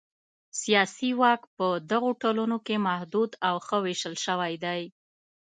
سیاسي واک په دغو ټولنو کې محدود او ښه وېشل شوی دی.